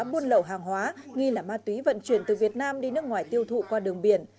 buôn lậu hàng hóa nghi là ma túy vận chuyển từ việt nam đi nước ngoài tiêu thụ qua đường biển